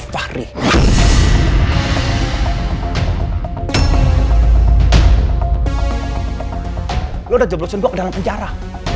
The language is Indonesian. udah jeblosin gue ke dalam penjara